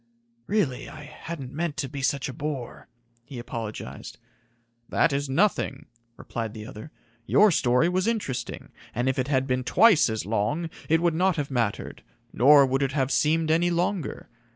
"Really, I hadn't meant to be such a bore," he apologized. "That is nothing," replied the other. "Your story was interesting, and if it had been twice as long, it would not have mattered, nor would it have seemed any longer.